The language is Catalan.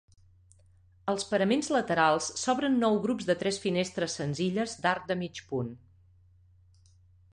Als paraments laterals s'obren nou grups de tres finestres senzilles d'arc de mig punt.